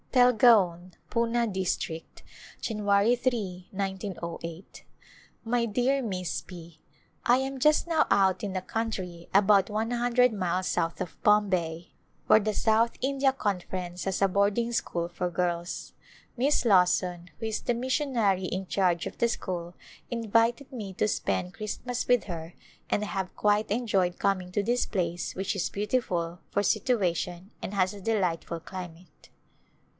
Telgaon^ Poona District^ J^^* Jt i<^o8. My dear Miss P : I am just now out in the country, about one hundred miles south of Bombay, where the South In dia Conference has a boarding school for girls. Miss Lawson, who is the missionary in charge of the school, invited me to spend Christmas with her and I have quite enjoyed coming to this place which is beautiful for situation and has a delightful climate.